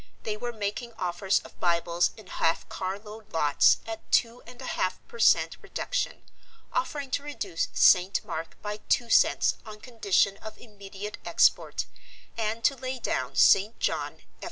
They were making offers of Bibles in half car load lots at two and a half per cent reduction, offering to reduce St. Mark by two cents on condition of immediate export, and to lay down St. John f.